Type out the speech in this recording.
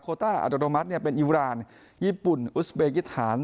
ต้าอัตโนมัติเป็นอิราณญี่ปุ่นอุสเบกิสถาน